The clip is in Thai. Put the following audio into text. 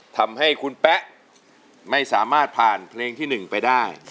ทำให้คุณแป๊ะไม่สามารถผ่านเพลงที่๑ไปได้